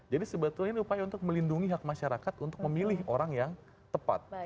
jadi sebetulnya ini upaya untuk melindungi hak masyarakat untuk memilih orang yang tepat